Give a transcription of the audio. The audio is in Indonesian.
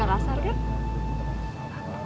gak kasar kan